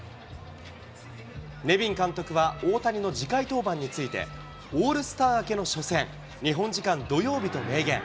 ネビン監督は大谷の次回登板について、オールスター明けの初戦、日本時間土曜日と明言。